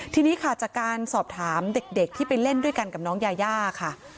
ทีนี้ค่ะจากการสอบถามเด็กที่ไปเล่นด้วยกันกับน้องยายาค่ะ